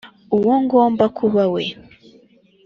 uwo ngomba kuba we